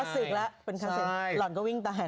คัดศึกแล้วเป็นคัดศึกหลอนก็วิ่งตะแห่น